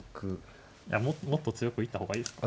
いやもっと強く行った方がいいですか。